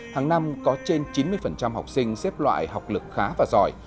hàng năm có trên chín mươi học sinh xếp loại học lực khá và giỏi